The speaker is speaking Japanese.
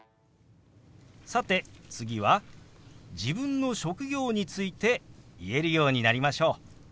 さて次は自分の職業について言えるようになりましょう。